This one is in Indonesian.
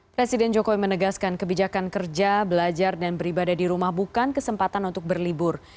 presiden jokowi menegaskan kebijakan kerja belajar dan beribadah di rumah bukan kesempatan untuk berlibur